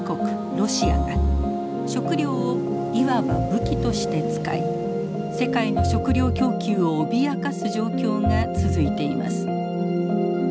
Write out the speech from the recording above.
ロシアが食料をいわば武器として使い世界の食料供給を脅かす状況が続いています。